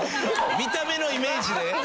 見た目のイメージで？